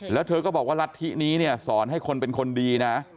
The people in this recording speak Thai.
แล้วเธอก็บอกว่ารัฐธินี้เนี่ยสอนให้คนเป็นคนดีนะ